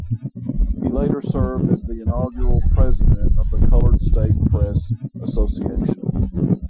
He later served as the inaugural president of the Colored State Press Association.